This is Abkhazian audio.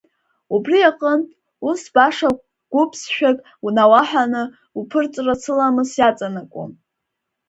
Убри аҟынтә, ус баша гәыԥсшәак науаҳәаны уԥырҵра сыламыс иаҵанакуам.